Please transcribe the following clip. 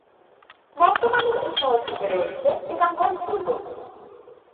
বর্তমানে এই শহরটিতে রয়েছে টিকামগড় দুর্গ।